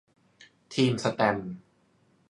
ทีมแสตมป์